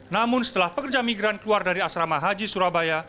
namun setelah pekerja migran keluar dari asrama haji surabaya